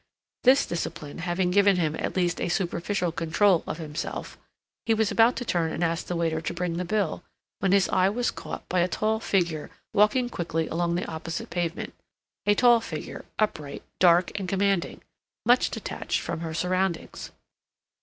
This discipline having given him at least a superficial control of himself, he was about to turn and ask the waiter to bring the bill, when his eye was caught by a tall figure walking quickly along the opposite pavement—a tall figure, upright, dark, and commanding, much detached from her surroundings.